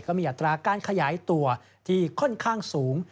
มีอัตราการขยายตัวที่ค่อนข้างสูง